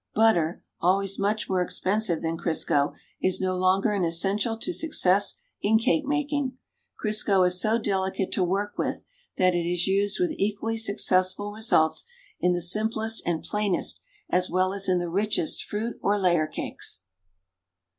Butter, always much more expensive than Crisco, is no longer an essential to success in cake making. Crisco is so delicate to work with that it is used wilh equally successful results in the simplest and plain est as well as in the richest fruit or layer cakes.